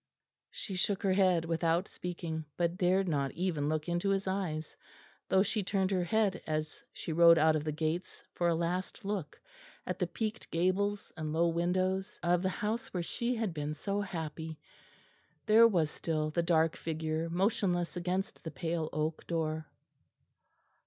She shook her head without speaking, but dared not even look into his eyes; though she turned her head as she rode out of the gates for a last look at the peaked gables and low windows of the house where she had been so happy. There was still the dark figure motionless against the pale oak door.